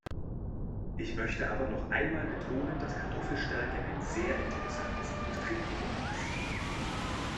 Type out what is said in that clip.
Ich möchte aber noch einmal betonen, dass Kartoffelstärke ein sehr interessantes Industrieprodukt ist.